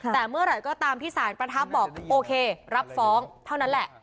แต่เมื่อไหร่ก็ตามที่สารประทับบอกโอเครับฟ้องเท่านั้นแหละ